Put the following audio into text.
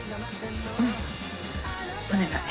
うんお願い。